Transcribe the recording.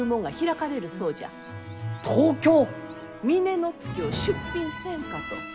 峰乃月を出品せんかと。